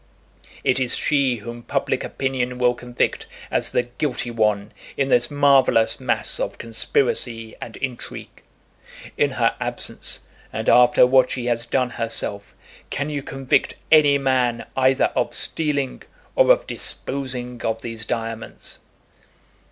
It is she whom public opinion will convict as the guilty one in this marvellous mass of conspiracy and intrigue. In her absence, and after what she has done herself, can you convict any man either of stealing or of disposing of these diamonds?"